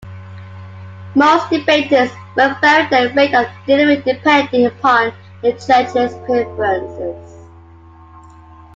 Most debaters will vary their rate of delivery depending upon the judge's preferences.